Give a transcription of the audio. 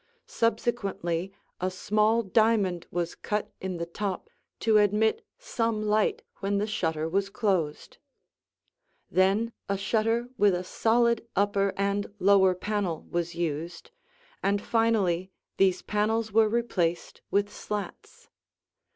Subsequently a small diamond was cut in the top to admit some light when the shutter was closed. Then a shutter with a solid upper and lower panel was used, and finally these panels were replaced with slats.